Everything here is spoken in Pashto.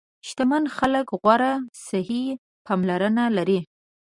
شتمن خلک غوره صحي پاملرنه لري.